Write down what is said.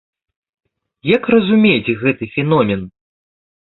Як разумець гэты феномен?